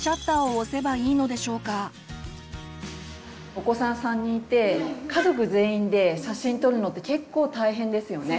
お子さん３人いて家族全員で写真撮るのって結構大変ですよね。